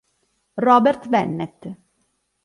Robert Bennett